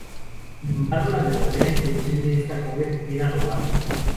Sin embargo, la verdadera intención de esta joven era robarle.